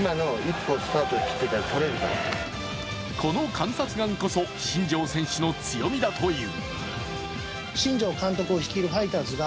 この観察眼こそ新庄選手の強みだという。